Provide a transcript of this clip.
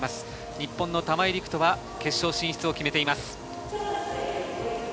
日本の玉井陸斗は決勝進出を決めています。